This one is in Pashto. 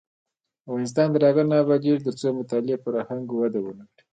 افغانستان تر هغو نه ابادیږي، ترڅو د مطالعې فرهنګ وده ونه کړي.